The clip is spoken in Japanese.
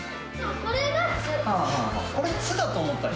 これ、つだと思った人？